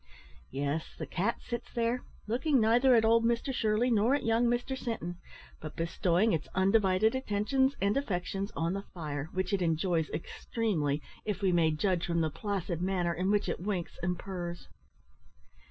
Yes, the cat sits there, looking neither at old Mr Shirley nor at young Mr Sinton, but bestowing its undivided attentions and affections on the fire, which it enjoys extremely, if we may judge from the placid manner in which it winks and purrs.